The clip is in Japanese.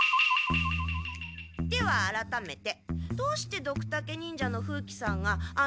ではあらためてどうしてドクタケ忍者の風鬼さんがあんなところへ？